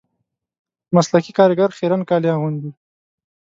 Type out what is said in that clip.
مسلکي کاریګر خیرن کالي اغوندي